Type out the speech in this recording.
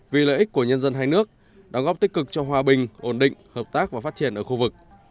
vì lợi ích của nhân dân hai nước đóng góp tích cực cho hòa bình ổn định hợp tác và phát triển ở khu vực